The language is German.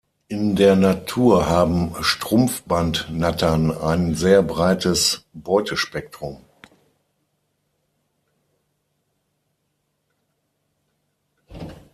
In der Natur haben Strumpfbandnattern ein sehr breites Beutespektrum.